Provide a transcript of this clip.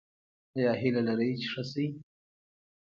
ایا هیله لرئ چې ښه شئ؟